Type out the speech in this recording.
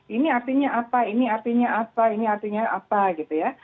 ini artinya apa ini artinya apa ini artinya apa gitu ya